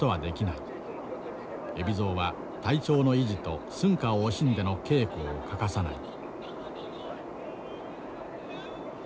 海老蔵は体調の維持と寸暇を惜しんでの稽古を欠かさない。